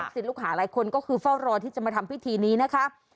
ลูกหาหลายคนก็คือเฝ้ารอที่จะมาทำพิธีนี้นะคะ